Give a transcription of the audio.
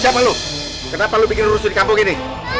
siapa lu kenapa lu bikin rusuh di kampung gini